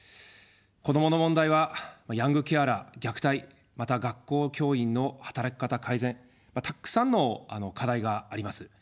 子どもの問題はヤングケアラー、虐待、また、学校教員の働き方改善、たくさんの課題があります。